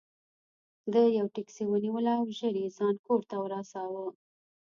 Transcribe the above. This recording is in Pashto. ده یوه ټکسي ونیوله او ژر یې ځان کور ته ورساوه.